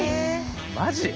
マジ？